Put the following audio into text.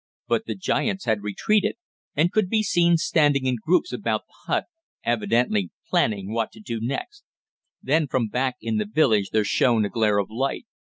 But the giants had retreated, and could be seen standing in groups about the hut, evidently planning what to do next. Then from back in the village there shone a glare of light.